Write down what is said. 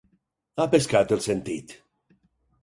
Ha pescat el sentit.